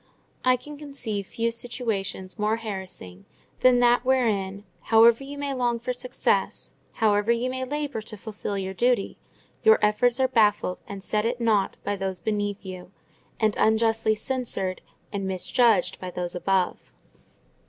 I can conceive few situations more harassing than that wherein, however you may long for success, however you may labour to fulfil your duty, your efforts are baffled and set at nought by those beneath you, and unjustly censured and misjudged by those above.